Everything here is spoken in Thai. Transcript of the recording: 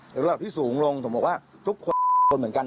แต่ระดับที่สูงลงผมบอกว่าทุกคนทนเหมือนกัน